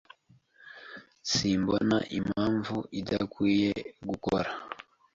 Simbona impamvu idakwiye gukora.